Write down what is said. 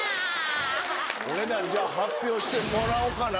お値段発表してもらおうかな。